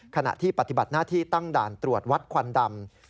ขณะที่ปฏิบัติหน้าที่ตั้งด่านตรวจวัดควันดำ